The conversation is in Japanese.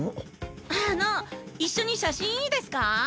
あの一緒に写真いいですか？